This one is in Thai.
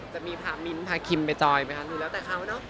จะมีพามิ้นพาคิมไปจอยไหมคะหรือแล้วแต่เขาเนอะ